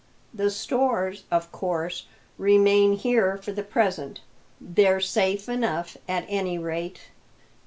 The stores, of course, remain here for the present; they're safe enough, at any rate."